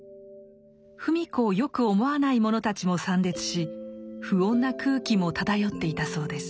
芙美子をよく思わない者たちも参列し不穏な空気も漂っていたそうです。